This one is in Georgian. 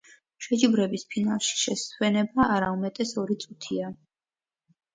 შეჯიბრების ფინალში შესვენება არაუმეტეს ორი წუთია.